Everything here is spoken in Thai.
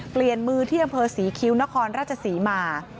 เปลี่ยนมือที่อำเภอศรีคิ้วนครราชศรีมา